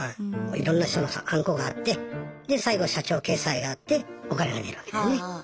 いろんな人のさハンコがあってで最後社長決裁があってお金が出るわけだよね。